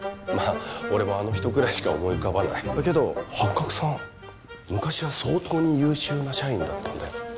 まあ俺もあの人くらいしか思い浮かばないけどハッカクさん昔は相当に優秀な社員だったんだよ